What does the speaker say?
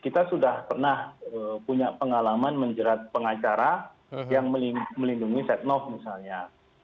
kita sudah pernah punya pengalaman menjerat pengacara yang melindungi setnov misalnya